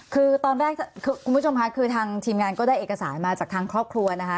คือตอนแรกคุณผู้ชมค่ะคือทางทีมงานก็ได้เอกสารมาจากทางครอบครัวนะคะ